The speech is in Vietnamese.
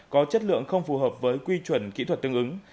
có chất lượng không phù hợp với quy chuẩn kỹ thuật tương ứng